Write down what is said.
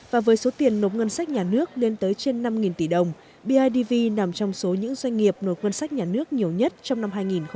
và với số tiền nộp ngân sách nhà nước lên tới trên năm tỷ đồng bidv nằm trong số những doanh nghiệp nộp ngân sách nhà nước nhiều nhất trong năm hai nghìn một mươi chín